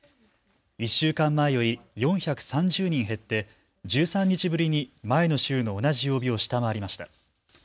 １週間前より４３０人減って１３日ぶりに前の週の同じ曜日を下回りました。